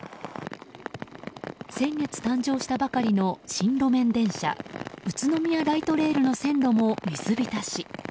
先月誕生したばかりの新路面電車宇都宮ライトレールの線路も水浸し。